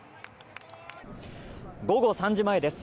午後３時前です。